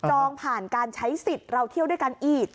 จองผ่านการใช้สิทธิ์เราเที่ยวด้วยกันอีก